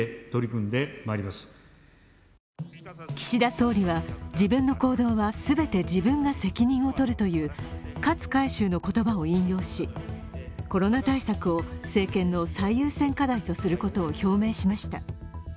岸田総理は自分の行動は全て自分が責任を取るという勝海舟の言葉を引用し、コロナ対策を政権の最優先課題とすることを表明しました。